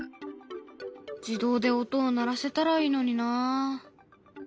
自動で音を鳴らせたらいいのにな。